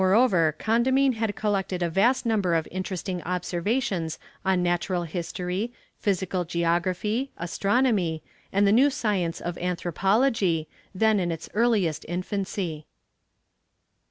Moreover Condamine had collected a vast number of interesting observations on natural history, physical geography, astronomy, and the new science of anthropology, then in its earliest infancy.